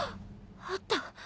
あった。